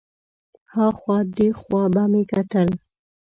ها خوا دې خوا به مې کتل.